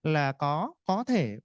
là có thể